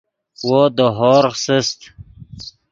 وو دے ہورغ سست